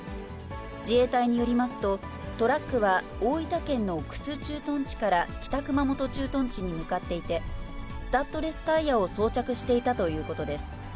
自衛隊によりますと、トラックは大分県の玖珠駐屯地から北熊本駐屯地に向かっていて、スタッドレスタイヤを装着していたということです。